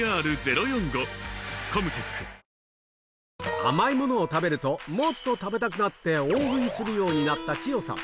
甘いものを食べると、もっと食べたくなって大食いするようになったちよさん。